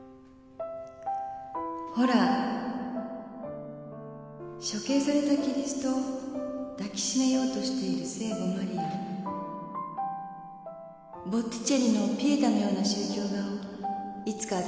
ほら処刑されたキリストを抱き締めようとしている聖母マリアボッティチェリの『ピエタ』のような宗教画をいつかわたしのために描いて